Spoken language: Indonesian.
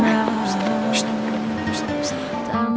apa terseting